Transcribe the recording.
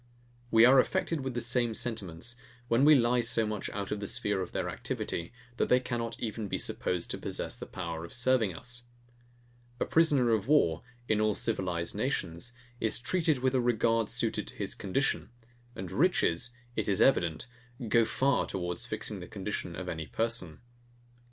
We are affected with the same sentiments, when we lie so much out of the sphere of their activity, that they cannot even be supposed to possess the power of serving us. A prisoner of war, in all civilized nations, is treated with a regard suited to his condition; and riches, it is evident, go far towards fixing the condition of any person.